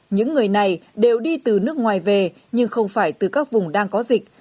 những người này đều đi từ nước ngoài về nhưng không phải từ các vùng đang có dịch